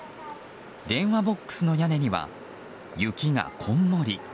電話ボックスの屋根には雪がこんもり。